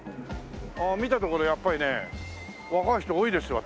見たところやっぱりね若い人多いですわ